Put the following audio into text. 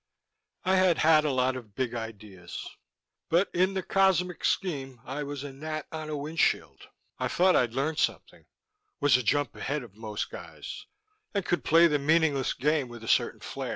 I had had a lot of big ideas but in the cosmic scheme I was a gnat on a windshield. I thought I'd learned something, was a jump ahead of most guys, and could play the meaningless game with a certain flair.